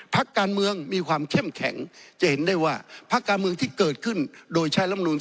พักการเมืองมีความเข้มแข็งจะเห็นได้ว่าพักการเมืองที่เกิดขึ้นโดยใช้ลำนูน